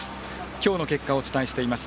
今日の結果をお伝えしています。